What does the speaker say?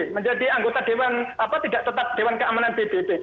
menjadi anggota dewan apa tidak tetap dewan keamanan pbt